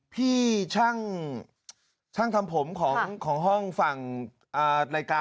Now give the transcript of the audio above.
พี่ช่างทำผมของห้องฝั่งนาฬิกา